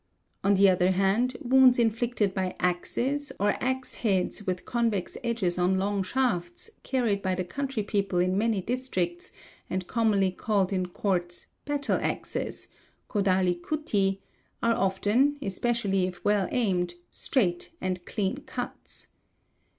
On the other hand wounds inflicted by axes, or axe heads — with convex edges on long shafts, carried by the country people in many ; districts and commonly called in Courts "battle axes" (kodali kutty), are often, especially if well aimed, straight and clean cuts.